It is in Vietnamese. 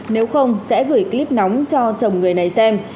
nếu không sẽ gửi clip nóng cho chồng người này xem